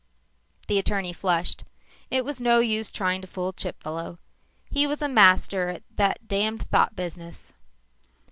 The attorney flushed. It was no use trying to fool Chipfellow. He was a master at that damned thought business.